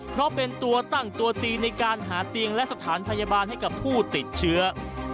เพราะเป็นตัวตั้งตัวตีในการหาเตียงและสถานพยาบาลให้กับผู้ติดเชื้อ